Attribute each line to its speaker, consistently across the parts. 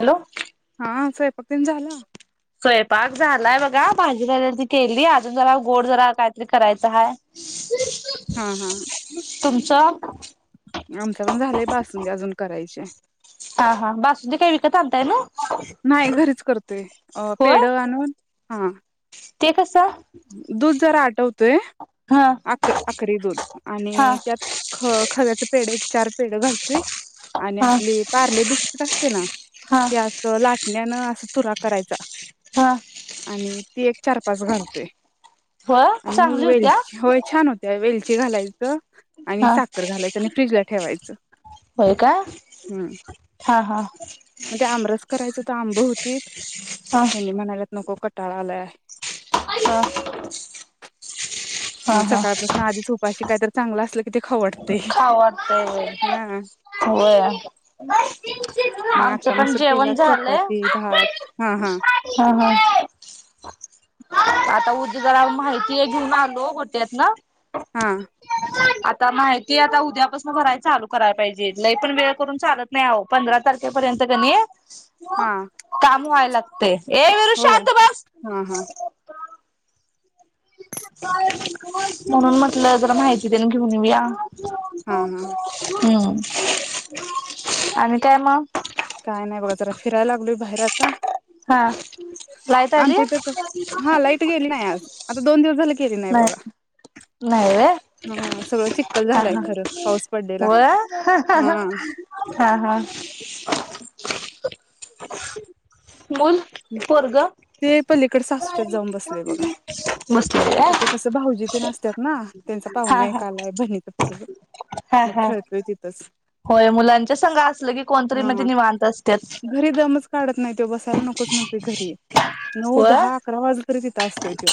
Speaker 1: Hello.
Speaker 2: हा स्वयंपाकिन झाला.
Speaker 1: स्वयंपाक झालाय बघा. भाजी राहिल्या ती केली. अजून जरा गोड जरा काहीतरी करायचं हाय.
Speaker 2: हा हा.
Speaker 1: तुमचं?
Speaker 2: आमच पण झालंय. बासुंदी अजून करायची ये.
Speaker 1: हा हा बासुधी काय विकत आणलताय ना
Speaker 2: नाही घरीच करतोय अ
Speaker 1: होय.
Speaker 2: पेढ आणून हा.
Speaker 1: ते कसं?
Speaker 2: दूध जरा आटवतोय
Speaker 1: हा
Speaker 2: आक आकडी दूध
Speaker 1: हा
Speaker 2: आणि त्यात ख खव्याच पेड एक चार पेड घालतोय. आणि
Speaker 1: हा
Speaker 2: आपली पार्ले बिस्किट असतय ना.
Speaker 1: हा
Speaker 2: ते अस लाटण्यानं. चुरा करायचा.
Speaker 1: हा
Speaker 2: आणि ती एक चार पाच घाल. ते,
Speaker 1: हो चांगली होत्या.
Speaker 2: ची घालायचं. आणि
Speaker 1: हा
Speaker 2: साखर घालायचं आणि फ्रिजला ठेवायचं,
Speaker 1: होय काय
Speaker 2: हम
Speaker 1: हा हा
Speaker 2: मग ते आमरस करायचं. का आंब होतीत.
Speaker 1: हा
Speaker 2: हेनी म्हणाल्यात. नको कटाळा आलाय.
Speaker 1: हा. हा हा
Speaker 2: सकाळपासून आधीच उपाशी काय तरी चांगलं असलं की, किती खाऊ वाटतं.
Speaker 1: खाऊ वाटतं होय.
Speaker 2: मग
Speaker 1: आमचं
Speaker 2: आक्का
Speaker 1: पण
Speaker 2: मसूर केला
Speaker 1: जेवण झालंय,
Speaker 2: चपाती भात हा हा
Speaker 1: हा हो. आता उद्या जरा माहिती एक घेऊन आलो. गोट्यात न,
Speaker 2: हा,
Speaker 1: आता माहिती आता उद्यापासून भरायला चालू करायला पाहिजे. लय पण वेळ करून चालत नाही आहो पंधरा तारखेपर्यंत कणी,
Speaker 2: हा
Speaker 1: काम व्हाय लागत ते. ये वीरू
Speaker 2: होय
Speaker 1: शांत बस.
Speaker 2: हा हा
Speaker 1: म्हणून म्हटलं, जरा माहिती तेन घेऊन येऊया.
Speaker 2: हा हा
Speaker 1: हम. आणि काय मग?
Speaker 2: काय नाही बघा जरा, फिरायला लागलो बाहेर आता
Speaker 1: हा लाईट आली
Speaker 2: आमच्या इथं हा लाईट गेली नाही आज आता दोन दिवस झाले. गेली बघा
Speaker 1: नाही नाही
Speaker 2: ह सगळं चिक्कल झालाय खरं पाऊस पडलेला
Speaker 1: व्हय हा हा व्हय हा हा. [unintelligible] मंग पोरगं
Speaker 2: ते पलीकड सासूच्यात
Speaker 1: बसलाय बघा.
Speaker 2: तर कसं भाऊजी तेन असतात. ना त्यांचा
Speaker 1: हा
Speaker 2: पाहुना
Speaker 1: हा
Speaker 2: एक आलाय बहिणच पोरग
Speaker 1: हा
Speaker 2: मग
Speaker 1: हा
Speaker 2: खेळतोय तिथंच.
Speaker 1: होय मुलांच्या संग असलं कोण तरी म्हणजे
Speaker 2: हा
Speaker 1: निवांत असतात.
Speaker 2: म्हणते घरी नऊ दहा अकरा वाजले कि, तिथं असतोय तो,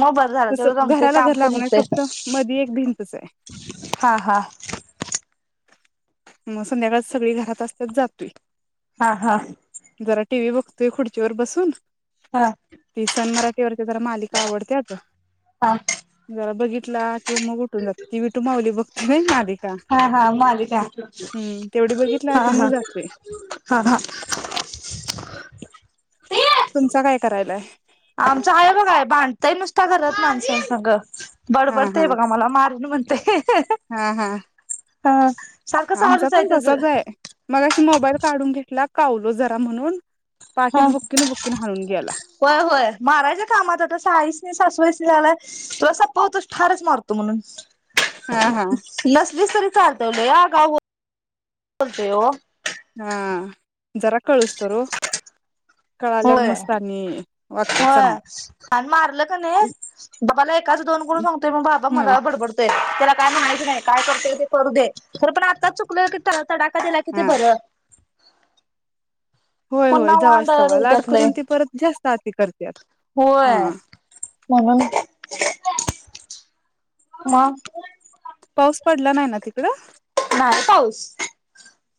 Speaker 1: मग बरं झालं तेवढं
Speaker 2: कसं
Speaker 1: गमतय
Speaker 2: घराला
Speaker 1: काम
Speaker 2: घर
Speaker 1: पण
Speaker 2: लागून
Speaker 1: होतय
Speaker 2: फक्त मधे एक भिंतच आहे.
Speaker 1: हा हा
Speaker 2: मग संध्याकाळ सगळी घरात असतात जातोय.
Speaker 1: हा हा.
Speaker 2: जरा टीव्ही बघतो. ते खुर्ची वर बसून.
Speaker 1: हा
Speaker 2: ती सनमरत जरा मालिका आवडत्यात
Speaker 1: हा
Speaker 2: जरा बघित उठला किंवा मग उठुन जातो कि विठू मावली बघती व्हय मागे.
Speaker 1: हा हा मालिका
Speaker 2: तेवढी बघितला की
Speaker 1: हां हा
Speaker 2: मग जातोय
Speaker 1: हां हा
Speaker 2: तुमचा काय करायलाय?
Speaker 1: आमचं आहे बघा भांडतय नुसता घरात माणसं संग.
Speaker 2: हा
Speaker 1: बडबडतेय
Speaker 2: हा
Speaker 1: बघा मला मारन म्हणतय.
Speaker 2: हा हा
Speaker 1: हां
Speaker 2: आमचा पण तसाच आहे मगाशी मोबाईल काढून घेतला. कावलो जरा म्हणून. पाठीत
Speaker 1: हा
Speaker 2: बुक्कीन बुक्कीन हाणून गेला
Speaker 1: होय होय मारायच्या कामात आता साईंस नी सासुवासनी आलाय. तूला संपवतो ठारच मारतो म्हणून.
Speaker 2: हा हा
Speaker 1: नसलीस तरी चालत लय आगाव बोलतोय हो.
Speaker 2: हा जरा कळस्तरू.
Speaker 1: होय
Speaker 2: वागत्यात
Speaker 1: होय
Speaker 2: चांगली.
Speaker 1: आणि मारलं कनाय मला एकाच दोन करून सांगतोय मग बाबा
Speaker 2: हा
Speaker 1: मला बडबडतोय. त्याला काय म्हणायचं नाही काय करतय ते करू दे तर पण आता चुकलं की तडाकतडाक त्याला किती
Speaker 2: हा
Speaker 1: बरं.
Speaker 2: होय
Speaker 1: पुन्हा
Speaker 2: होय
Speaker 1: वांड
Speaker 2: जावाच तवा लाड
Speaker 1: होत्यात लय
Speaker 2: करून ते परत जास्त ती [unintelligible]
Speaker 1: होय म्हणून मग
Speaker 2: पाऊस पडला नाही ना तिकडं?
Speaker 1: नाही पाऊस.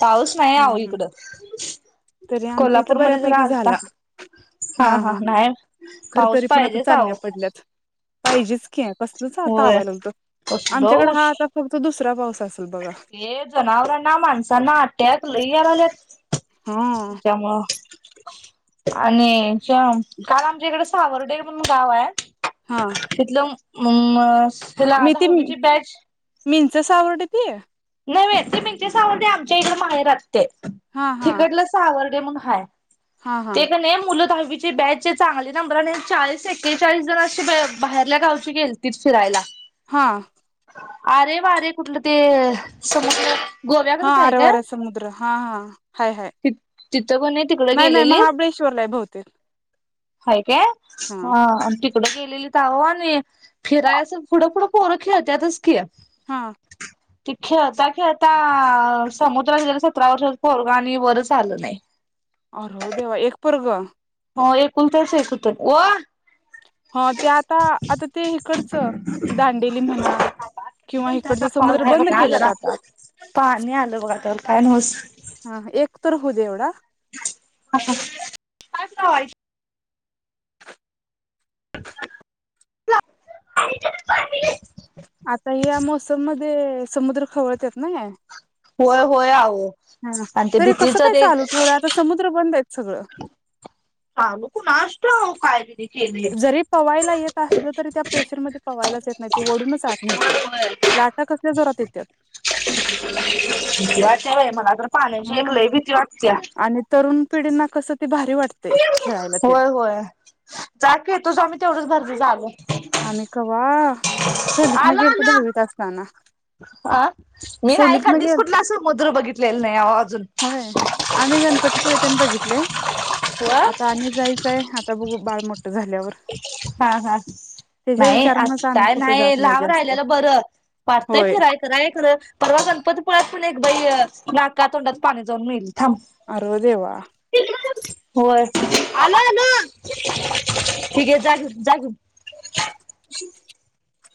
Speaker 1: पाऊस नाही
Speaker 2: हम्म
Speaker 1: आहो
Speaker 2: हम्म
Speaker 1: इकड
Speaker 2: तरी आमच्या इथं
Speaker 1: कोल्हापूरमध्ये जरा
Speaker 2: बऱ्यापैकी
Speaker 1: आलता
Speaker 2: झाला
Speaker 1: हा हा नाही आणखी
Speaker 2: खर
Speaker 1: पाऊस
Speaker 2: तरी पण आता
Speaker 1: पाहिजेच
Speaker 2: चांदण्या
Speaker 1: आहो.
Speaker 2: पडल्यात पाहिजेच की. कसलच
Speaker 1: होय
Speaker 2: तावायला होतं
Speaker 1: कसलो
Speaker 2: आमच्याकडे
Speaker 1: उश
Speaker 2: हा आता फक्त दुसरा पाऊस. असेल बघा
Speaker 1: हे जनावरांना, माणसांना आ टॅक्स लयी यायल्यात.
Speaker 2: हा
Speaker 1: त्यामुळं आणि शम काल आमच्या इकडे सावरर्डे ण [unintelligible] गाव आहे.
Speaker 2: हा
Speaker 1: तिथलं म्म ते ला आ दाहावीची बॅच
Speaker 2: मिं [unintelligible]
Speaker 1: नव्हे ते मींचे सावरडे आमच्या इकडे माहेरात. ते
Speaker 2: हा हा
Speaker 1: तिकडलं सावर ते म्हंग हाय.
Speaker 2: हा हा
Speaker 1: ते कनी मुलं दहावी बॅच चांगले नंबर आणि चाळीस एक्केचाळीस जण अशी बाहेरल्या गावची गेलतीत फिरायला.
Speaker 2: हा.
Speaker 1: आरे वारे कुठलं ते समजलं.
Speaker 2: हा आरवार समुद्र हा हा हाय हाय
Speaker 1: ति तिथं कोणी तिकड
Speaker 2: नाही नाही
Speaker 1: गेलेली
Speaker 2: महाबळेश्वरलाय बहुतेक.
Speaker 1: हाय.
Speaker 2: हा
Speaker 1: [unintelligible] कडं गेलेली तावो आणि फिरायचं पुढं पुुढं पोरं खेळत्यातच की
Speaker 2: हा.
Speaker 1: ते खेळता खेळता समुद्रात गेलं सतरा वर्ष पोरग आणि वरंच आलं नाही.
Speaker 2: अर देवा एक पोरग
Speaker 1: हो एकूण तर [unintelligible]
Speaker 2: ह ते आता आता ते इकडचं दांडेली म्हणा किंवा
Speaker 1: त्याचा
Speaker 2: इकडच
Speaker 1: कॉल
Speaker 2: समुद्र
Speaker 1: आहे
Speaker 2: बंद
Speaker 1: बघा
Speaker 2: केल्यात
Speaker 1: जरा
Speaker 2: आता
Speaker 1: पाणी आलं बघा त्यावर काय
Speaker 2: हा हा एक तर, हो दे एवढा.
Speaker 1: हा हा पाईप कूठहाय? [unintelligible]
Speaker 2: आता या मोसम मध्ये समुद्र खवळत्यात ना.
Speaker 1: होय होय आवो.
Speaker 2: हा तरी कसं काय चालू ठेवलं आता समुद्र बंद आहेत. सगळं
Speaker 1: [unintelligible] कुनाश ठाउक काय बाई
Speaker 2: जरी पवायला येत असलं तरी त्या प्रेशरमध्ये पवायलाच येत नाही वडूनच आत न्हेतय लाटा कसल्या जोरात येत्यात.
Speaker 1: [unintelligible] पाण्याची एक लयी
Speaker 2: ह
Speaker 1: भीती वाटत्या.
Speaker 2: आणि तरुण पिढींना कसं ते भारी वाटते खेळायला ते
Speaker 1: होय होय जा की तु जा मी तेवडचं [unintelligible]
Speaker 2: आम्ही कवा सहलीत न
Speaker 1: आलं
Speaker 2: गेलतो
Speaker 1: आलं.
Speaker 2: दहावीत असताना.
Speaker 1: आ मी नाय
Speaker 2: सहलीतन
Speaker 1: कधीचं
Speaker 2: गेल
Speaker 1: कुठला समुद्र बघितलेला नाही अवो अजून
Speaker 2: होय. आम्ही गणपतीपुळे तेन बघितले
Speaker 1: होय.
Speaker 2: आता आणि जायचंय आता बघू बाळ मोठं झाल्यावर
Speaker 1: हा, हा.
Speaker 2: त्याच्या
Speaker 1: नाही
Speaker 2: विचारानच आम्ही
Speaker 1: आताय
Speaker 2: कुठं
Speaker 1: नाही
Speaker 2: जात
Speaker 1: लाब
Speaker 2: जास्त
Speaker 1: राहिलेलं बरं. वाटतंय
Speaker 2: होय
Speaker 1: फिराय कराय खरं परवा गणपतीपुळ्यात कुनी बाई नाका तोंडात पाणी जाऊन मेली. थांब.
Speaker 2: अरं देवा.
Speaker 1: आलो, आलो. ठीक आहे जा घेऊन, जा घेऊन.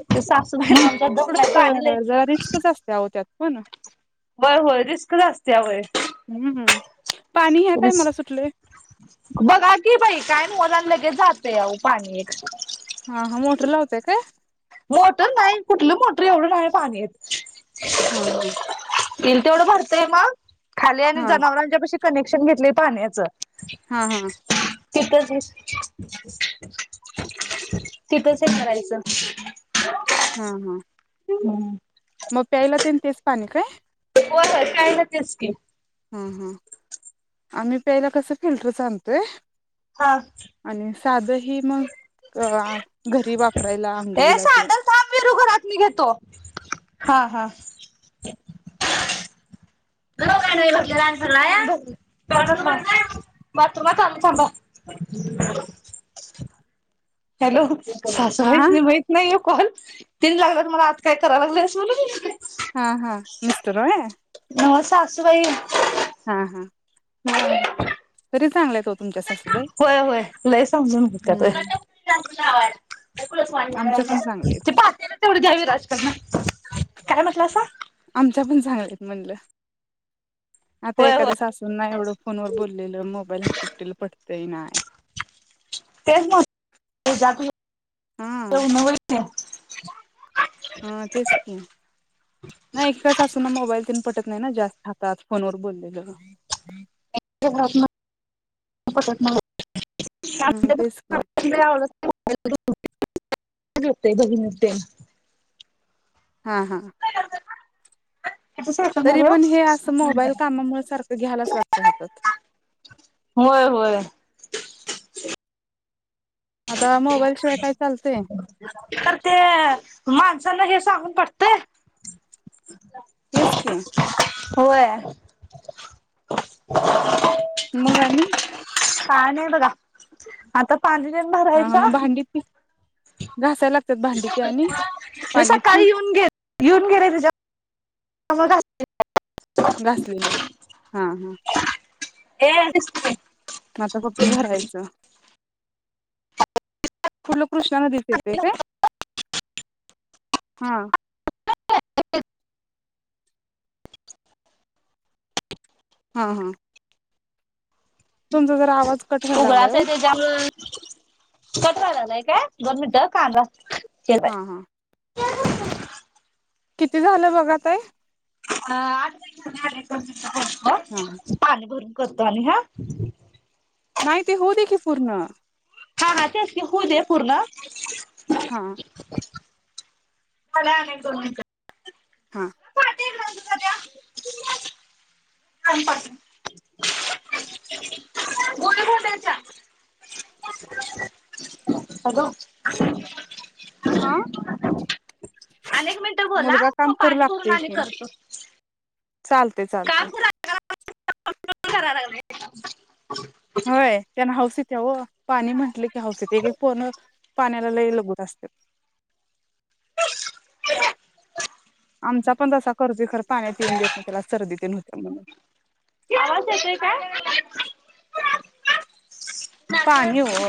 Speaker 1: ते साफ सफाई
Speaker 2: मग
Speaker 1: आमच्यात दम नाही पाणी लयी
Speaker 2: हो ना.
Speaker 1: बर होय, रिस्कचं असत्या होय.
Speaker 2: हम्म, हम्म. पाणी ह्या
Speaker 1: रिस्क
Speaker 2: टाईमाला सुटलंय व्हय?
Speaker 1: मोलां लगेच जातंय अहो पाणी एक
Speaker 2: हा, हा मोटर लावताय काय?
Speaker 1: मोटर नाही. कुठलं मोटर एवढं नाही पाणी येतं.
Speaker 2: हा, हा.
Speaker 1: इल तेवढ भरतेय मग खाली आणि
Speaker 2: हा
Speaker 1: जनावरांच्यापशी कनेक्शन घेतले पाण्याचं
Speaker 2: हा, हा.
Speaker 1: तिथंच तिथंच हे करायचं [inaudible]
Speaker 2: हा, हा.
Speaker 1: हम्म.
Speaker 2: मग प्यायला तेन तेचं पाणी काय?
Speaker 1: होय, होय प्यायला तेचं की.
Speaker 2: हा, हा आम्ही प्यायला कसं फिल्टरच आनतोय.
Speaker 1: हा.
Speaker 2: साधं ही मग अ घरी वापरायला
Speaker 1: हे
Speaker 2: आंघोळीला ते
Speaker 1: सांडल थांब विरू घरात मी घेतो, हा. हा. [unintelligible] भरलाया भर बात्रुमात आलो थांबा. हॅलो.
Speaker 2: हा
Speaker 1: सासूबाईसनी माहीत नाहीये कॉल? तिनी लागलात मला आता काय करा लागल्यास म्हणून
Speaker 2: हा, हा. मीस्टर होय?
Speaker 1: नव्हं सासूबाई
Speaker 2: हा, हा.
Speaker 1: हो.
Speaker 2: तरी चांगल्या हाईत ओ तुमच्या सासू
Speaker 1: होय होय लय समजून घेण्यात
Speaker 2: हम्म
Speaker 1: होय,
Speaker 2: आमच्या पण चांगल्या
Speaker 1: ते
Speaker 2: आहेत
Speaker 1: पातेल तेवढी घ्या वीराजकडनं. काय म्हंटलासा?
Speaker 2: आमच्यापण चांगल्यात हाईत म्हणलं. आता
Speaker 1: होय होय
Speaker 2: एखादस असून ना एवढं फोनवर व बोललेलं मोबाईल [unintelligible] पटतंय नाय.
Speaker 1: तेच म्हटलं जात
Speaker 2: हां.
Speaker 1: [inaudible]
Speaker 2: हा तेच की. नाही का सासूना मोबाईल तेन पटत नाही ना जास्त हातात फोनवर बोललेलं.
Speaker 1: [unintelligible] पटत नाही.
Speaker 2: हा तेच की
Speaker 1: [inaudible] [inaudible] येतंय बघणं ते.
Speaker 2: हा हा.
Speaker 1: [unintelligible] कसं
Speaker 2: तरी
Speaker 1: सापडणार ओ?
Speaker 2: पण हे असं मोबाईल कामामुळे सारखं घ्यायलाच लागतंय हातात
Speaker 1: [unintelligible] होय होय.
Speaker 2: आता मोबाईल शिवाय काय चालतंय
Speaker 1: तर ते मान त्यांना हे सांगून पटतंय.
Speaker 2: तेचकी.
Speaker 1: होय.
Speaker 2: मग आणि
Speaker 1: काय नाही बगा. आता पानरी तेन भरायचं
Speaker 2: घासाय लाग
Speaker 1: ते सकाळी येऊन घे. घेऊन गेले तुज्या [unintelligible]
Speaker 2: घासलेले हा हा.
Speaker 1: हे
Speaker 2: आता फक्त भरायचं. कुठलं कृष्णा नदीचं येतंय काय? हा.
Speaker 1: [inaudible]
Speaker 2: हा हा. तुमचा जरा आवाज कट व्हायला लागलाय
Speaker 1: उगळाच
Speaker 2: हो
Speaker 1: आहे, त्याच्यामु कट व्हाय लागलाय काय? दोन मिंट हं कांदा चिराय
Speaker 2: हा हा. किती झालं बघा ताई?
Speaker 1: अ [unintelligible] म
Speaker 2: हा
Speaker 1: पाणी भरून करतो आणि हा
Speaker 2: नाई ते होउ दे की पूर्ण
Speaker 1: हा हा तेच की हू दे पूर्ण
Speaker 2: हा.
Speaker 1: [unintelligible] आणि एक दोन मींट
Speaker 2: हा.
Speaker 1: [unintelligible] [unintelligible] पाच [unintelligible] गोळी घाल त्यांच्या हॅलो.
Speaker 2: हा
Speaker 1: आणि एक मिंट बोला,
Speaker 2: मुलगा काम
Speaker 1: मग
Speaker 2: करू
Speaker 1: पाणी भरून आणि करतो.
Speaker 2: चाल ते चालते.
Speaker 1: [unintelligible] करा लागलय [unintelligible]
Speaker 2: होय त्यान हौस इत ते ओ पाणी म्हंटल की हौस [unintelligible] पूर्ण एक एक पोरनं पाण्याला लय लगुत असत्यात.
Speaker 1: [unintelligible]
Speaker 2: आमचा पण तसा करतुय, खर पाण्यात युन देत नई तेला सर्दीतेन हुत्या म्हणून
Speaker 1: आवाज येतोय काय? [unintelligible]
Speaker 2: पाणी ओ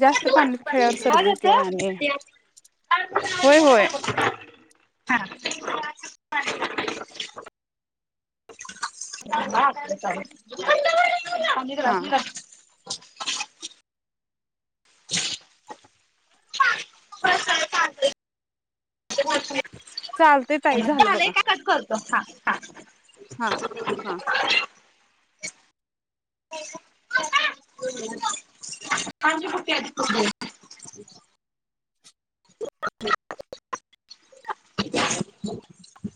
Speaker 2: जास्त पाण्यात खेळल्यावर सर्दी तेन
Speaker 1: [unintelligible]
Speaker 2: आणि
Speaker 1: आवाज
Speaker 2: होय होय
Speaker 1: येतोय [unintelligible] हा [unintelligible] थांबा [unintelligible] चालू
Speaker 2: हा
Speaker 1: [unintelligible] [unintelligible] [inaudible] [unintelligible]
Speaker 2: चालतय ताई झालं
Speaker 1: झालंय
Speaker 2: बघा.
Speaker 1: का [unintelligible] हा हा.
Speaker 2: हा हा.
Speaker 1: [unintelligible] थांब की बुट्टी आदी ठेवूदे [unintelligible]